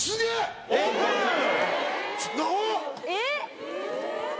えっ！